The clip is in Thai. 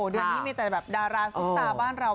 เดือนนี้มีแต่ดารสุดท้ายบ้านเรา